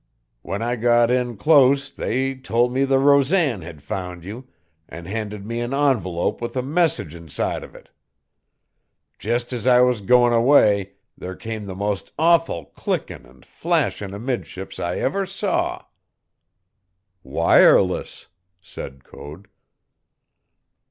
"When I got in clost they told me the Rosan had found you, and handed me an envelope with a message inside of it. Just as I was goin' away there came the most awful clickin' an' flashin' amidships I ever saw " "Wireless," said Code.